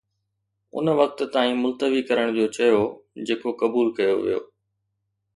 ان وقت تائين ملتوي ڪرڻ جو چيو جيڪو قبول ڪيو ويو